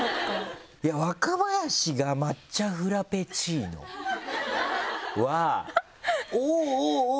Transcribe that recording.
いや若林が抹茶フラペチーノはおぉおぉおぉ！